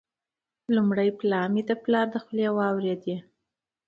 مي لومړی پلا د پلار له خولې واروېدې،